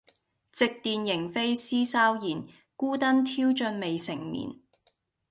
夕殿螢飛思悄然，孤燈挑盡未成眠。